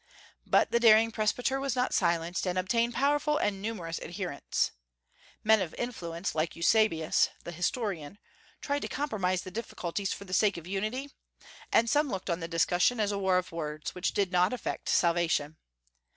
But the daring presbyter was not silenced, and obtained powerful and numerous adherents. Men of influence like Eusebius the historian tried to compromise the difficulties for the sake of unity; and some looked on the discussion as a war of words, which did not affect salvation.